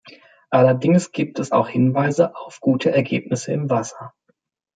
Allerdings gibt es auch Hinweise auf gute Ergebnisse in Wasser.